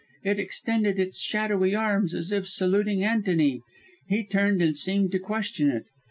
It extended its shadowy arms as if saluting Antony. He turned and seemed to question it.